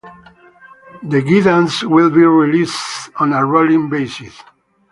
The guidance will be released on a rolling basis.